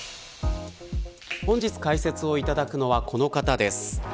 本日、解説していただくのはこの方です。